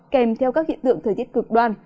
kèm theo các hiện tượng thời tiết cực đoan